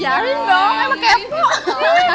jarin dong emang kepo